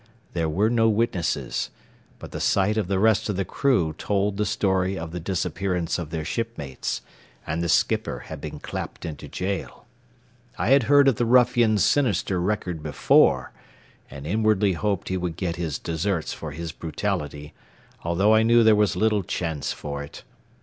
There were no witnesses; but the sight of the rest of the crew told the story of the disappearance of their shipmates, and the skipper had been clapped into jail. I had heard of the ruffian's sinister record before, and inwardly hoped he would get his deserts for his brutality, although I knew there was little chance for it.